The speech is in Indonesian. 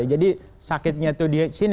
jadi sakitnya itu di sini